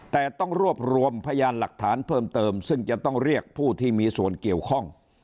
แต่ต้องรวบรวมพยานหลักฐานเพิ่มเติมซึ่งจะต้องเรียกผู้ที่มีส่วนเกี่ยวข้อง